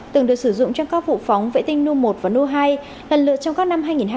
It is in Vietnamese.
từng được sử dụng trong các vụ phóng vệ tinh nu một và nu hai lần lượt trong các năm hai nghìn hai mươi